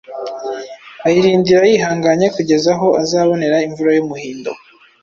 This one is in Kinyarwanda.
ayirindira yihanganye kugeza aho azabonera imvura y’umuhindo